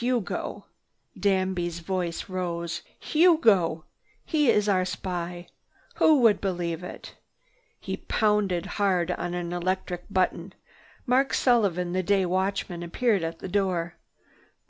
"Hugo!" Danby's voice rose. "Hugo! He is our spy! Who would believe it!" He pounded hard on an electric button. Mark Sullivan, the day watchman, appeared at the door.